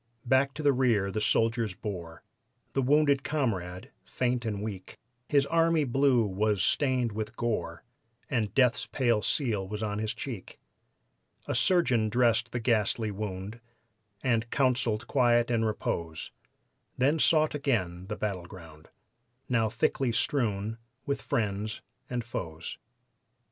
Back to the rear the soldiers bore The wounded comrade, faint and weak; His "army blue" was stained with gore, And death's pale seal was on his cheek. A surgeon dressed the ghastly wound And counseled quiet and repose, Then sought again the battleground, Now thickly strewn with friends and foes.